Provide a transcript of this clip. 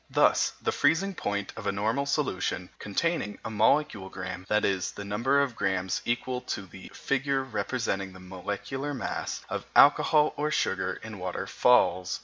Thus the freezing point of a normal solution, containing a molecule gramme (that is, the number of grammes equal to the figure representing the molecular mass) of alcohol or sugar in water, falls 1.